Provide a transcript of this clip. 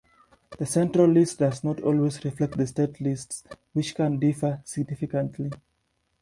The central list does not always reflect the state lists, which can differ significantly.